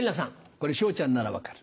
これ昇ちゃんなら分かる。